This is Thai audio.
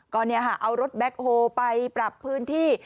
ก็เอารถแบ็คโฮลไปปรับพื้นที่